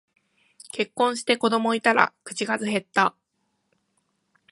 結婚して子供いたら口数へった